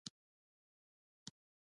يو ځوان له يوه پتنوس سره راغی.